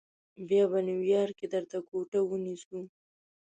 بیا به نیویارک کې درته کوټه ونیسو.